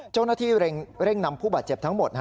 เจ้าหน้าที่เร่งนำผู้บาดเจ็บทั้งหมด